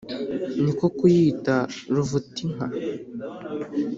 Ni ko kuyita Ruvutinka !